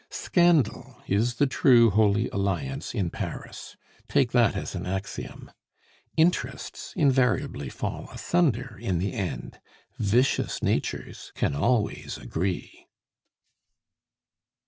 Scandal is the true Holy Alliance in Paris. Take that as an axiom. Interests invariably fall asunder in the end; vicious natures can always agree.